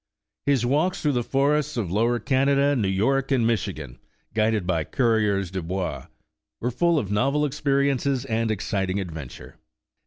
His walks through the forests of Lower Canada, New York, and Michigan, guided by coureurs des bois, were full of novel experiences and exciting adventure.